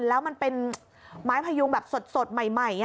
แล้วมันเป็นไม้พยุงแบบสดใหม่